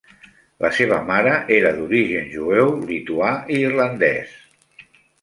La seva mare era d'origen jueu lituà i irlandès.